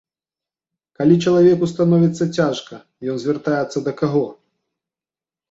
Калі чалавеку становіцца цяжка, ён звяртаецца да каго?